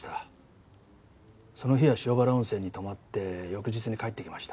その日は塩原温泉に泊まって翌日に帰ってきました。